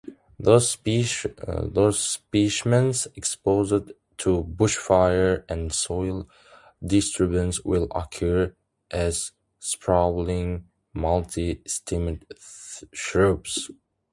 Those specimens exposed to bushfire and soil disturbance will occur as sprawling multi-stemmed shrubs.